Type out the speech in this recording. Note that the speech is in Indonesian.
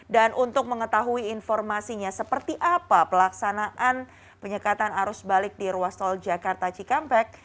dan untuk mengetahui informasinya seperti apa pelaksanaan penyekatan arus balik di ruas tol jakarta cikampek